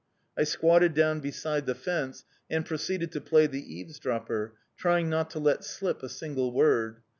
I squatted down beside the fence and proceeded to play the eavesdropper, trying not to let slip a single word.